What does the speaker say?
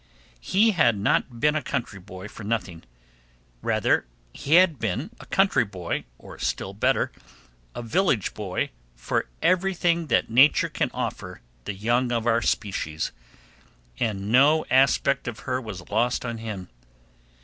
He had not been a country boy for nothing; rather he had been a country boy, or, still better, a village boy, for everything that Nature can offer the young of our species, and no aspect of her was lost on him.